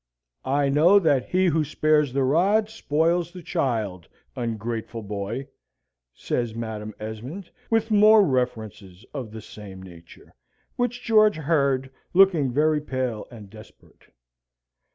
"I know that he who spares the rod spoils the child, ungrateful boy!" says Madam Esmond, with more references of the same nature, which George heard, looking very pale and desperate.